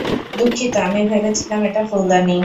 দুঃখিত, আমি ভেবেছিলাম এটা ফুলদানি।